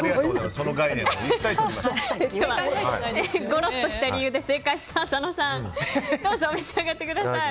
ゴロッとした理由で正解した佐野さんどうぞ召し上がってください。